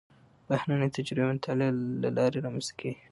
بهرنۍ تجربې د مطالعې له لارې رامنځته کېږي.